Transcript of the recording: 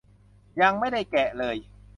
ยังไม่ได้แกะเลย